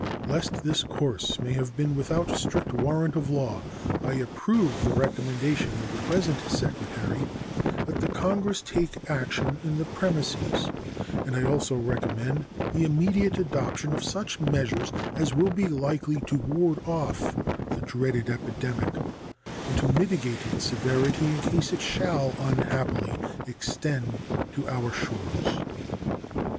Lest this course may have been without strict warrant of law, I approve the recommendation of the present Secretary that the Congress take action in the premises, and I also recommend the immediate adoption of such measures as will be likely to ward off the dreaded epidemic and to mitigate its severity in case it shall unhappily extend to our shores.